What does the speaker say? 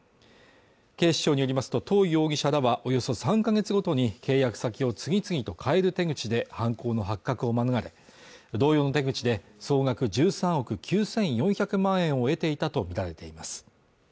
警視庁によりますと湯容疑者らはおよそ３か月ごとに契約先を次々と変える手口で犯行の発覚を免れ同様の手口で総額１３億９４００万円を得ていたと見られています